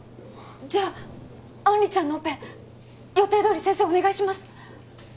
じゃあ杏里ちゃんのオペ予定どおり先生お願いします